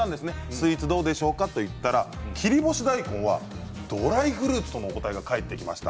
スイーツどうでしょうか？と言ったら切り干し大根はドライフルーツとのお答えが返ってきました。